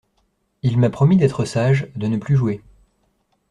Il m'a promis d'être sage, de ne plus jouer.